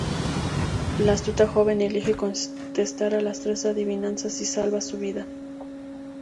La astuta joven elige contestar a las tres adivinanzas y salva su vida.